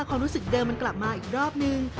ความรู้สึกเดิมมันกลับมาอีกรอบนึง